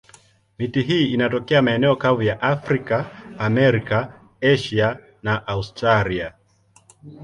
Miti hii inatokea maeneo kavu ya Afrika, Amerika, Asia na Australia.